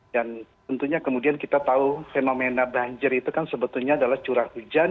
dan tentunya kemudian kita tahu fenomena banjir itu kan sebetulnya adalah curang hujan